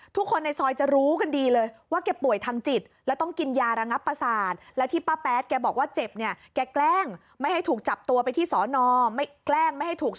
ทุกคนในซอยจะรู้กันดีเลยว่าแกป่วยทางจิต